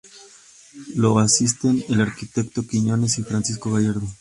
Lo asisten el arquitecto Quiñonez y Francisco Gallardo.